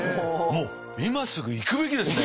もう今すぐ行くべきですね。